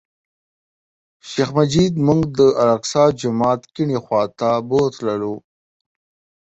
شیخ مجید موږ د الاقصی جومات کیڼې خوا ته بوتللو.